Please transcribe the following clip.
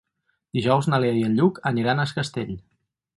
Dijous na Lea i en Lluc aniran a Es Castell.